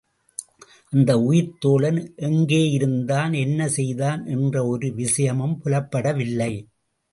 அந்த உயிர் தோழன், எங்கேயிருந்தான், என்ன செய்தான் என்ற ஒரு விசயமும் புலப்படவில்லை.